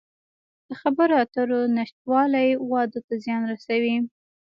د خبرو اترو نشتوالی واده ته زیان رسوي.